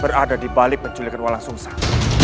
berada di balik penculikan walang sungsang